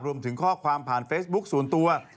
รวมถึงข้อความผ่านเฟซบุ๊คส่วนตัว